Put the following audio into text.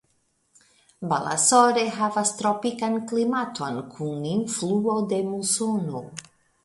Balasore havas tropikan klimaton kun influo de musono.